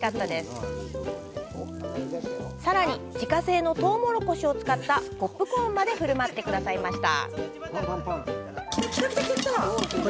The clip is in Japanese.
さらに、自家製のトウモロコシを使ったポップコーンまで振る舞ってくださいました。